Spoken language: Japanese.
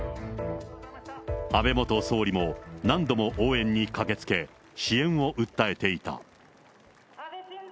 安倍元総理も何度も応援に駆けつけ、支援を訴えていた。